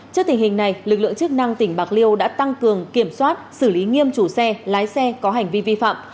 trước tình hình này lực lượng chức năng tỉnh bạc liêu đã tăng cường kiểm soát xử lý nghiêm chủ xe lái xe có hành vi vi phạm